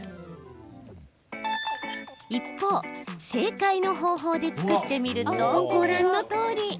一方、正解の方法で作ってみるとご覧のとおり。